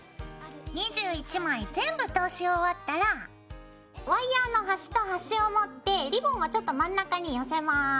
２１枚全部通し終わったらワイヤーのはしとはしを持ってリボンをちょっと真ん中に寄せます。